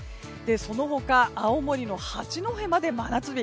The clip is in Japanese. その他、青森の八戸まで真夏日。